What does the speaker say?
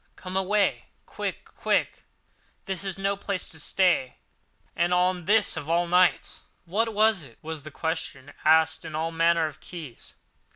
Come away quick—quick! This is no place to stay, and on this of all nights!" "What was it?" was the question, asked in all manner of keys.